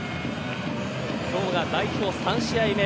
今日が、代表３試合目。